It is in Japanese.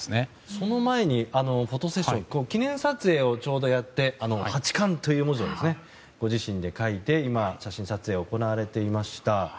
その前に記念撮影をちょうどやって八冠という文字をご自身で書いて今、写真撮影が行われていました。